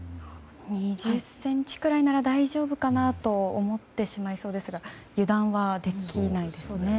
２０ｃｍくらいなら大丈夫かなと思ってしまいそうですが油断はできないですね。